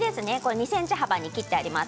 ２ｃｍ幅に切ってあります。